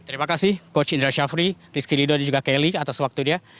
terima kasih coach indra syafri rizky lido dan juga kelly atas waktu dia